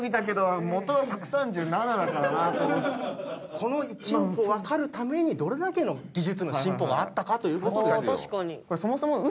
この１億を分かるためにどれだけの技術の進歩があったかということですよ。